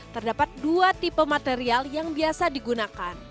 terdapat dua tipe material yang biasa digunakan